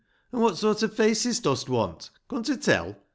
An' what sort o' faces dost want, — con to tell